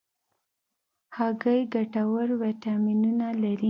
هګۍ ګټور ویټامینونه لري.